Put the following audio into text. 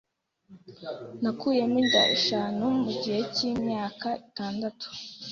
nakuyemo inda eshanu mu gihe cy’imyaka itandatu.